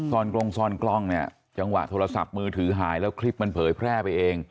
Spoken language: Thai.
กรงซ่อนกล้องเนี่ยจังหวะโทรศัพท์มือถือหายแล้วคลิปมันเผยแพร่ไปเอง